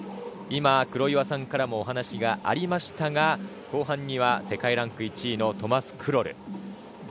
今、黒岩さんからもお話がありましたが後半には世界ランク１位のトマス・クロル。